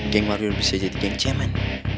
geng baru bisa jadi geng cemen